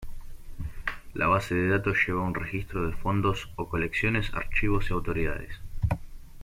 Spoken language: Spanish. La base de datos lleva un registro de fondos o colecciones, archivos y autoridades.